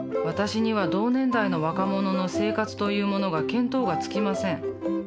私には同年代の若者の生活というものが見当がつきません。